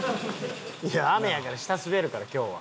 いや雨やから下滑るから今日は。